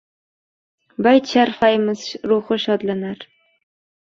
Bayt sharhlaymiz, ruhi shodlanar